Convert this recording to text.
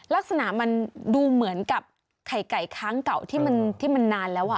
ลักษณะมันดูเหมือนกับไข่ไก่ค้างเก่าที่มันนานแล้ว